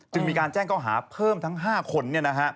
จึงมีการแจ้งเขาหาเพิ่มทั้ง๕คนเนี่ยนะฮะ